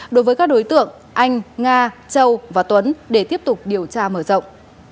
đối với các đối tượng anh nga châu và tuấn để tiếp tục điều tra mở rộng